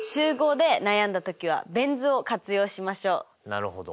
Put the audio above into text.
なるほど！